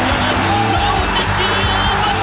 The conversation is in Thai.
ให้ผมเล่นฟุตบอลให้น่าที่สุด